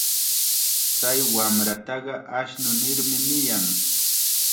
Chay wamrataqa ashnu nirmi niyan.